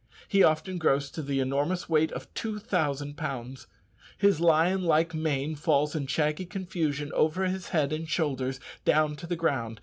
He often grows to the enormous weight of two thousand pounds. His lion like mane falls in shaggy confusion quite over his head and shoulders, down to the ground.